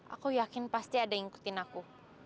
aku yakin pasti ada yang ikutin aku